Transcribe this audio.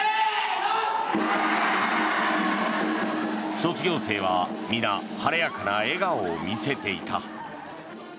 卒業生は皆晴れやかな笑顔を見せていた。